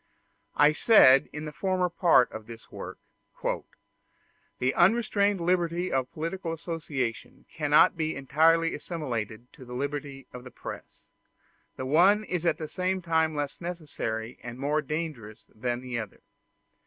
I said in the former part of this work, "The unrestrained liberty of political association cannot be entirely assimilated to the liberty of the press. The one is at the same time less necessary and more dangerous than the other.